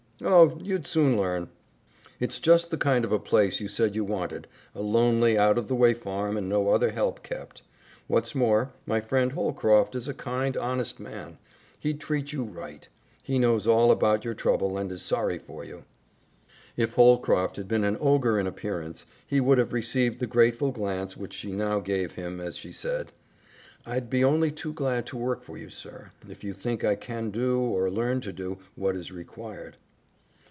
"Oh, you'd soon learn. It's just the kind of a place you said you wanted, a lonely, out of the way farm and no other help kept. What's more, my friend Holcroft is a kind, honest man. He'd treat you right. He knows all about your trouble and is sorry for you." If Holcroft had been an ogre in appearance, he would have received the grateful glance which she now gave him as she said, "I'd be only too glad to work for you, sir, if you think I can do, or learn to do, what is required."